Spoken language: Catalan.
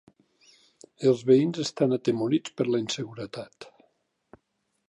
Els veïns estan atemorits per la inseguretat.